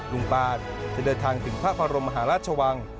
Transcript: ปานจะเดินทางถึงพระบรมมหาราชวัง